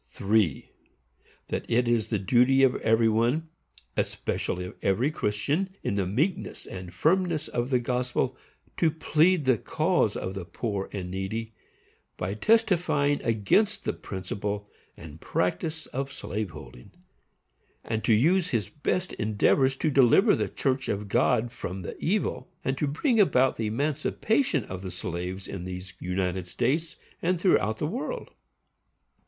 3. That it is the duty of every one, especially of every Christian, in the meekness and firmness of the gospel to plead the cause of the poor and needy, by testifying against the principle and practice of slave holding; and to use his best endeavors to deliver the church of God from the evil; and to bring about the emancipation of the slaves in these United States, and throughout the world.